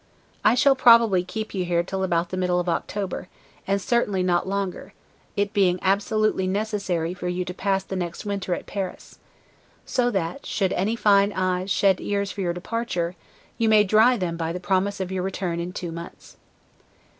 I shall probably keep you here till about the middle of October, and certainly not longer; it being absolutely necessary for you to pass the next winter at Paris; so that; should any fine eyes shed tears for your departure, you may dry them by the promise of your return in two months.